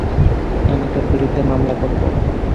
আমি তোর বিরুদ্ধে মামলা করব!